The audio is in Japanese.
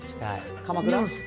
鎌倉？